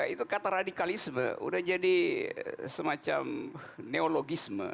itu kata radikalisme udah jadi semacam neologisme